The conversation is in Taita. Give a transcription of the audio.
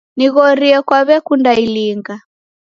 Nighorie kwawekunda ilinga?